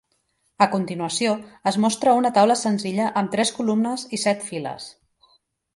A continuació es mostra una taula senzilla amb tres columnes i set files.